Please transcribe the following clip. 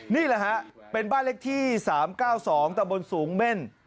นี่แหละฮะเป็นบ้านเลขที่๓๙๒ตะบนสูงเม่น